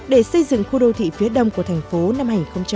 để xây dựng khu đô thị phía đông của thành phố năm hai nghìn hai mươi